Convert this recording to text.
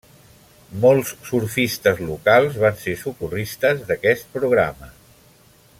Molts surfistes locals van ser socorristes d'aquest programa.